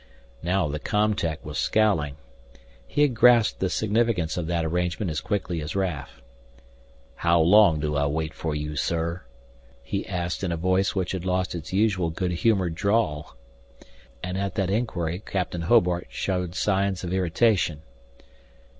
Now the com tech was scowling. He had grasped the significance of that arrangement as quickly as Raf. "How long do I wait for you, sir?" he asked in a voice which had lost its usual good humored drawl. And at that inquiry Captain Hobart showed signs of irritation.